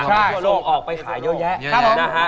ทั่วโลกออกไปขายเยอะแยะนะฮะ